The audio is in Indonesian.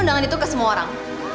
undangan itu ke semua orang